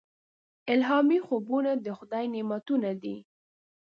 الهامي خوبونه د خدای نعمتونه دي.